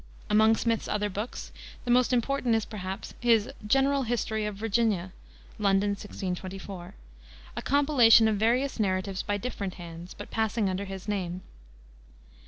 Among Smith's other books, the most important is perhaps his General History of Virginia (London, 1624), a compilation of various narratives by different hands, but passing under his name.